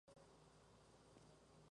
Tuvieron dos hijas: Mercedes y Carmen.